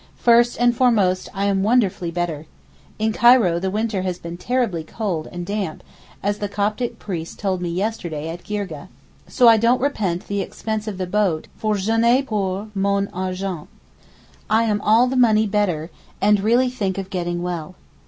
First and foremost I am wonderfully better. In Cairo the winter has been terribly cold and damp, as the Coptic priest told me yesterday at Girgeh. So I don't repent the expense of the boat for j'en ai pour mon argent—I am all the money better and really think of getting well.